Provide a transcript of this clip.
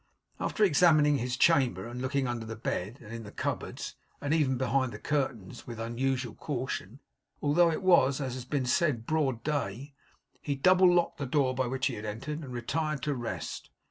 After examining his chamber, and looking under the bed, and in the cupboards, and even behind the curtains, with unusual caution (although it was, as has been said, broad day), he double locked the door by which he had entered, and retired to rest.